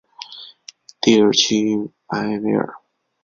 蒂尔屈埃维尔。